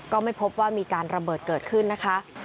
ก็ไม่พบว่ามีการระเบิดเกิดขึ้นนะคะ